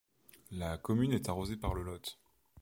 La commune est arrosée par le Lot.